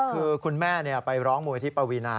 คือคุณแม่ไปร้องมูลที่ปวีนา